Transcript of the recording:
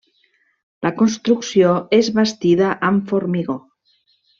La construcció és bastida amb formigó.